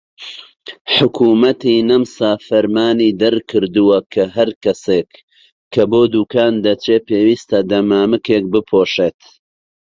حکومەتی نەمسا فەرمانی دەرکردووە کە هەر کەسێک کە بۆ دوکان دەچێت پێویستە دەمامکێک بپۆشێت.